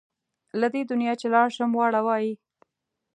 له دې دنیا چې لاړ شم واړه وايي.